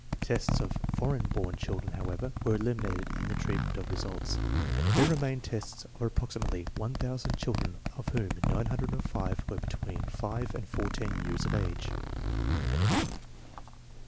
Tests of foreign born children, however, were eliminated in the treatment of results. There remained tests of approximately 1000 children, of whom 905 were between 5 and 14 years of age.